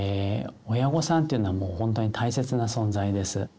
親御さんっていうのはもうほんとに大切な存在です。